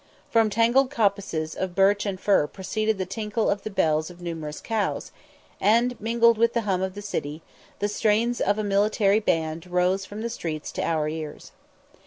From tangled coppices of birch and fir proceeded the tinkle of the bells of numerous cows, and, mingled with the hum of the city, the strains of a military band rose from the streets to our ears.